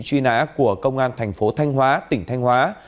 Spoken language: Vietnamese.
truy nã của công an thành phố thanh hóa tỉnh thanh hóa